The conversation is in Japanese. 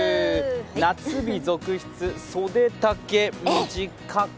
夏日続出、袖丈短く。